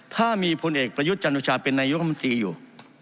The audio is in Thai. ถ้ามีพลเอกประยุทธจันทรวชาฯเป็นในยุคมันตรีอยู่